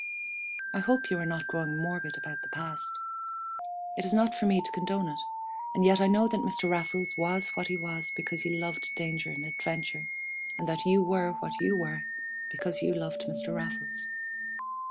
I hope you are not growing morbid about the past. It is not for me to condone it, and yet I know that Mr. Raffles was what he was because he loved danger and adventure, and that you were what you were because you loved Mr. Raffles.